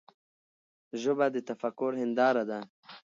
ژبه د تفکر هنداره ده.